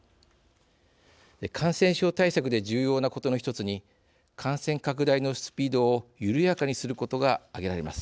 感染症対策で重要なことの一つに感染拡大のスピードを緩やかにすることが挙げられます。